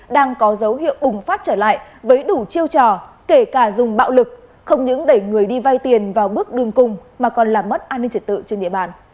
đang có dấu hiệu bùng phát trở lại với đủ chiêu trò kể cả dùng bạo lực không những đẩy người đi vay tiền vào bước đường cùng mà còn làm mất an ninh trật tự trên địa bàn